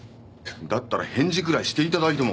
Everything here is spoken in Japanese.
だったら返事ぐらいして頂いても。